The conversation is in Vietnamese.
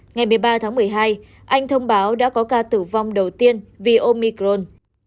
ngày một mươi ba tháng một mươi hai anh thông báo đã có ca tử vong đầu tiên vì omicron